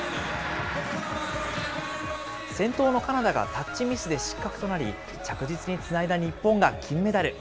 先頭のカナダがタッチミスで失格となり、着実につないだ日本が金メダル。